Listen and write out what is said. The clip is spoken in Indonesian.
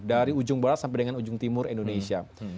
dari ujung barat sampai dengan ujung timur indonesia